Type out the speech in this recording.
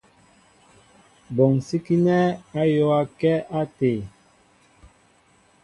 Mɓonsikinɛ ayōōakɛ até.